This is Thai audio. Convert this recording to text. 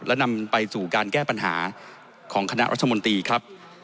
และนำไปสู่การแก้ปัญหาของคณะรัฐมนตรีครับ